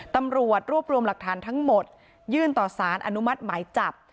ตำรวจรวบรวมหลักฐานทั้งหมดยื่นต่อสารอนุมัติหมายจับ